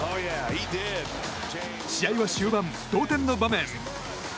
試合は終盤、同点の場面。